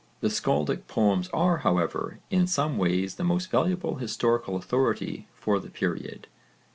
The skaldic poems are however in some ways the most valuable historical authority for the period.